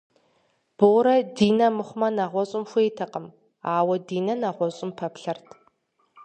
Борэ Динэ мыхъумэ, нэгъуэщӏым хуейтэкъым, ауэ Динэ нэгъуэщӏым пэплъэрт.